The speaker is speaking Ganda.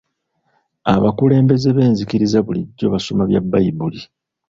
Abakulembeze b'enzikiriza bulijjo basoma Bbayibuli.